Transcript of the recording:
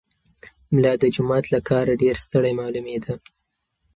ملا د جومات له کاره ډېر ستړی معلومېده.